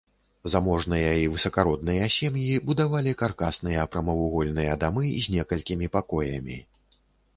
Заможныя і высакародныя сем'і будавалі каркасныя прамавугольныя дамы з некалькімі пакоямі.